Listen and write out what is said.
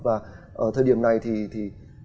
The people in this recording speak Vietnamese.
và thời điểm này thì